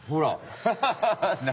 ハハハハな？